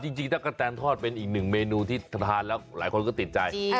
ตั๊กกะแตนทอดเป็นอีกหนึ่งเมนูที่ทานแล้วหลายคนก็ติดใจ